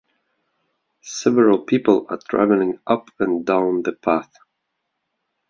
Several people are travelling up and down the path.